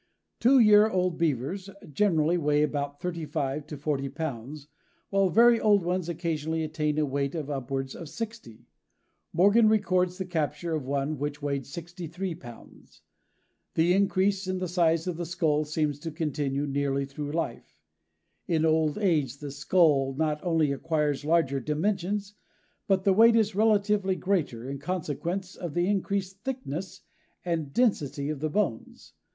"Two year old Beavers generally weigh about thirty five to forty pounds, while very old ones occasionally attain a weight of upwards of sixty. Morgan records the capture of one which weighed sixty three pounds. The increase in the size of the skull seems to continue nearly through life; in old age the skull not only acquires larger dimensions, but the weight is relatively greater in consequence of the increased thickness and density of the bones.